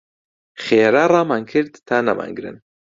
خێرا ڕامان کرد تا نەمانگرن.